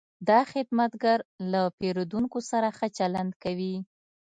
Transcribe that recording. دا خدمتګر له پیرودونکو سره ښه چلند کوي.